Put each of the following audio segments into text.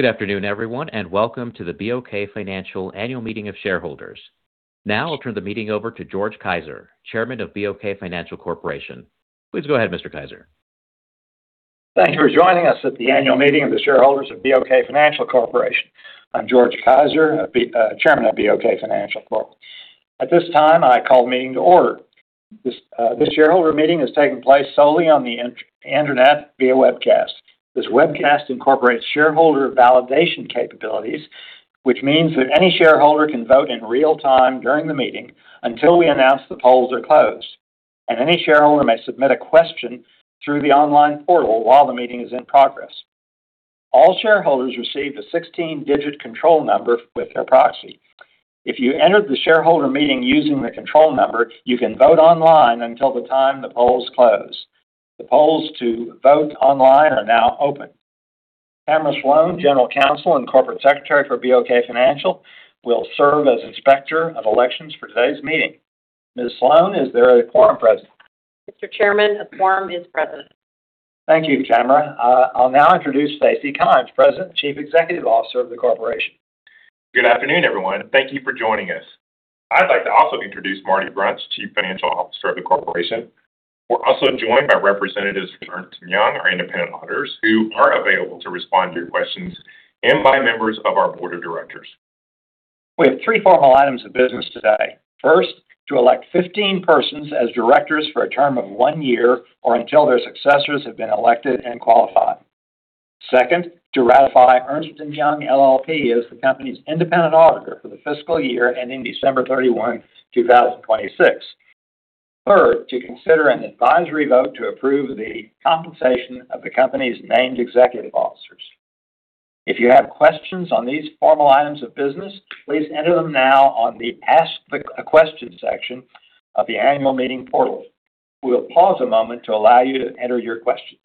Good afternoon, everyone, and welcome to the BOK Financial Annual Meeting of Shareholders. Now I'll turn the meeting over to George Kaiser, Chairman of BOK Financial Corporation. Please go ahead, Mr. Kaiser. Thank you for joining us at the annual meeting of the shareholders of BOK Financial Corporation. I'm George Kaiser, the Chairman of BOK Financial Corp. At this time, I call the meeting to order. This shareholder meeting is taking place solely on the internet via webcast. This webcast incorporates shareholder validation capabilities, which means that any shareholder can vote in real time during the meeting until we announce the polls are closed. Any shareholder may submit a question through the online portal while the meeting is in progress. All shareholders received a 16-digit control number with their proxy. If you entered the shareholder meeting using the control number, you can vote online until the time the polls close. The polls to vote online are now open. Tamara Sloan, General Counsel and Corporate Secretary for BOK Financial, will serve as Inspector of Elections for today's meeting. Ms. Sloan, is there a quorum present? Mr. Chairman, a quorum is present. Thank you, Tamara. I'll now introduce Stacy Kymes, President and Chief Executive Officer of the Corporation. Good afternoon, everyone. Thank you for joining us. I'd like to also introduce Marty Grunst, Chief Financial Officer of the Corporation. We're also joined by representatives from Ernst & Young, our independent auditors, who are available to respond to your questions, and by members of our board of directors. We have three formal items of business today. First, to elect 15 persons as directors for a term of one year or until their successors have been elected and qualified. Second, to ratify Ernst & Young LLP as the company's independent auditor for the fiscal year ending December 31, 2026. Third, to consider an advisory vote to approve the compensation of the company's named executive officers. If you have questions on these formal items of business, please enter them now on the Ask the Question section of the annual meeting portal. We'll pause a moment to allow you to enter your questions.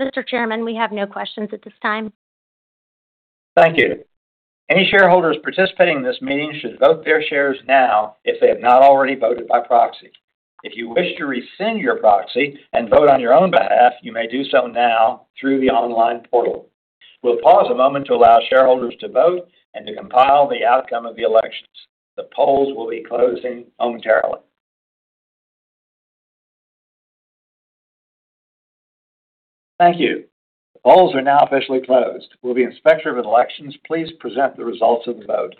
Mr. Chairman, we have no questions at this time. Thank you. Any shareholders participating in this meeting should vote their shares now if they have not already voted by proxy. If you wish to rescind your proxy and vote on your own behalf, you may do so now through the online portal. We'll pause a moment to allow shareholders to vote and to compile the outcome of the elections. The polls will be closing momentarily. Thank you. The polls are now officially closed. Will the Inspector of Elections please present the results of the vote?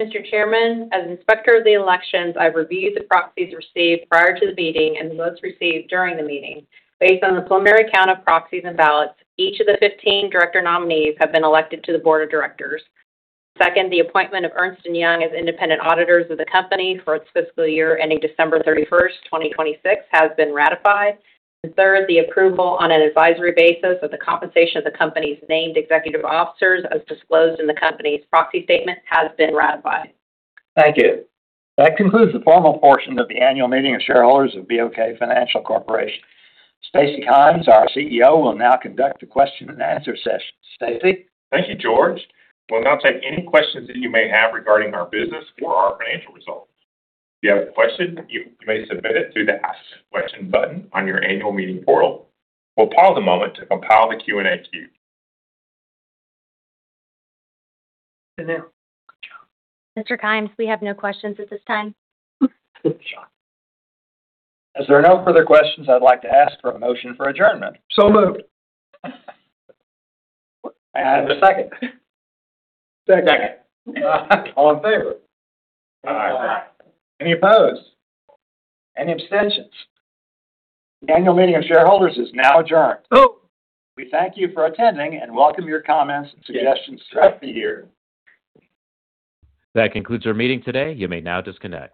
Mr. Chairman, as Inspector of the Elections, I've reviewed the proxies received prior to the meeting and the votes received during the meeting. Based on the preliminary count of proxies and ballots, each of the 15 director nominees have been elected to the Board of Directors. Second, the appointment of Ernst & Young as independent auditors of the company for its fiscal year ending December 31st, 2026, has been ratified. Third, the approval on an advisory basis of the compensation of the company's named Executive Officers, as disclosed in the company's proxy statement, has been ratified. Thank you. That concludes the formal portion of the annual meeting of shareholders of BOK Financial Corporation. Stacy Kymes, our CEO, will now conduct a question and answer session. Stacy? Thank you, George. We'll now take any questions that you may have regarding our business or our financial results. If you have a question, you may submit it through the Ask Question button on your annual meeting portal. We'll pause a moment to compile the Q&A queue. Mr. Kymes, we have no questions at this time. As there are no further questions, I'd like to ask for a motion for adjournment. Moved. May I have a second? Second. All in favor? Any opposed? Any abstentions? The annual meeting of shareholders is now adjourned. Oh. We thank you for attending and welcome your comments and suggestions throughout the year. That concludes our meeting today. You may now disconnect.